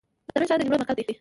د زرنج ښار د نیمروز مرکز دی